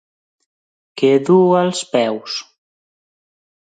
Què duu als peus?